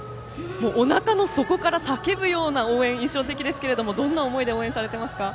おなかの底から叫ぶような応援が印象的ですがどんな思いで応援していますか？